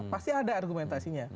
pasti ada argumentasinya